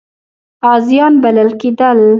غازیان بلل کېدل.